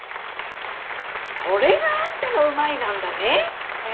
それがあんたの「うまい」なんだね！？え？